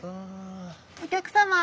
お客様。